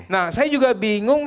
nah saya juga bingung